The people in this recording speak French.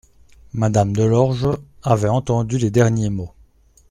Madame Delorge avait entendu les derniers mots.